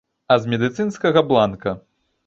А з медыцынскага бланка!